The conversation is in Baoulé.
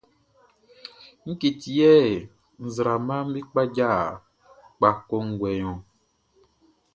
Ngue ti yɛ nzraamaʼm be kpaja kpa kɔnguɛ ɔ?